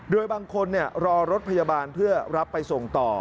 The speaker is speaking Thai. โดยบางคนรอรถพยาบาลเพื่อรับไปส่งต่อ